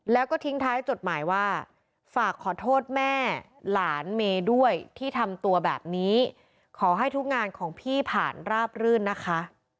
แล้วก็ทิ้งท้ายจดหมายว่าฝากขอโทษแม่หลานเมย์ด้วยที่ทำตัวแบบนี้ขอให้ทุกงานของพี่ผ่านราบรื่นนะคะ